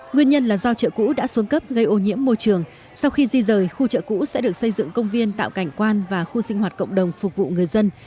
nguyên nhân là do chợ cũ đã xuống cấp gây ô nhiễm môi trường sau khi di rời khu chợ cũ sẽ được xây dựng công viên tạo cảnh quan và khu sinh hoạt cộng đồng phục vụ người dân